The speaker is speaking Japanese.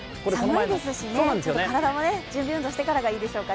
寒いですし、体も準備運動してからがいいでしょうかね。